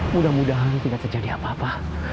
mudah mudahan tidak terjadi apa apa